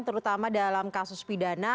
terutama dalam kasus pidana